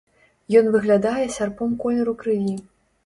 Ён выглядае сярпом колеру крыві.